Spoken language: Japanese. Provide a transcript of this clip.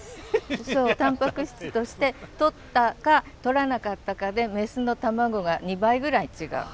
そうタンパク質としてとったかとらなかったかでメスの卵が２倍ぐらい違う。